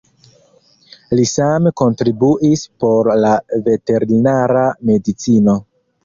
Li same kontribuis por la veterinara medicino.